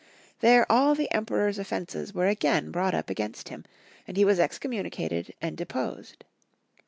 There all the Emperor's offences were again brought up against him, and he was again excommunicated and deposed.